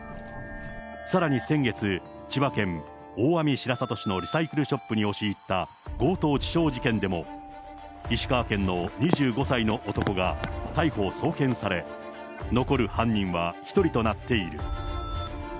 さらに先月、千葉県大網白里市のリサイクルショップに押し入った強盗致傷事件でも、石川県の２５歳の男が逮捕・送検され、残る犯人は１人となっている。